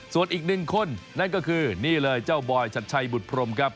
ส่วนอีกหนึ่งคนนั่นก็คือนี่เลยเจ้าบอยชัดชัยบุตรพรมครับ